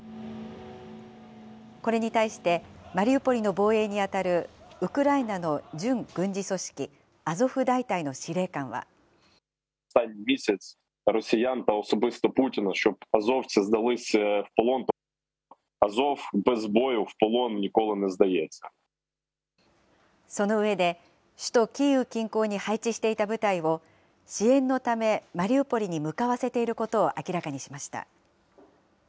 これに対して、マリウポリの防衛に当たるウクライナの準軍事組織、アゾフ大隊のその上で、首都キーウ近郊に配置していた部隊を支援のため、マリウポリに向かわせていることを明らかにしました。